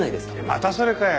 またそれかよ。